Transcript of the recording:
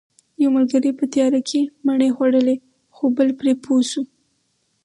یو ملګری په تیاره کې مڼې خوړلې خو بل پرې پوه شو